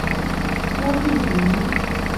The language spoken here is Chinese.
波利尼。